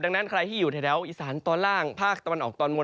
ดังนั้นใครที่อยู่แถวอีสานตอนล่างภาคตะวันออกตอนบน